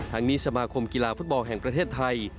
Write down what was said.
นี้สมาคมกีฬาฟุตบอลแห่งประเทศไทย